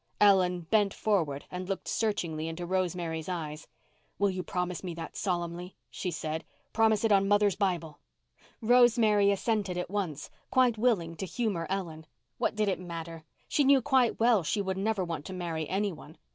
Ellen bent forward and looked searchingly into Rosemary's eyes. "Will you promise me that solemnly?" she said. "Promise it on mother's Bible." Rosemary assented at once, quite willing to humour Ellen. What did it matter? She knew quite well she would never want to marry any one.